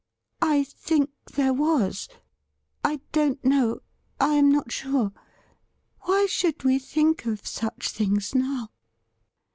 'I think there was. I don't know — I am not sure. Why should we think of such things now